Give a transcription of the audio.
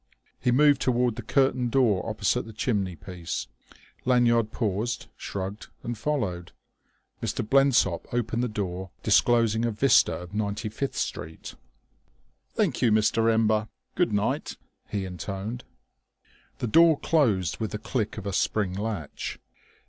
He moved toward the curtained door opposite the chimney piece. Lanyard paused, shrugged, and followed. Mr. Blensop opened the door, disclosing a vista of Ninety fifth Street. "Thank you, Mr. Ember. Good night," he intoned. The door closed with the click of a spring latch.